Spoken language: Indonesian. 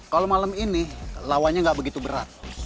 kalau malam ini lawannya nggak begitu berat